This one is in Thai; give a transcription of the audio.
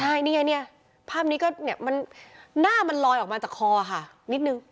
ใช่นี่ไงเนี่ยภาพนี้ก็เนี่ยมันหน้ามันลอยออกมาจากคอค่ะนิดนึง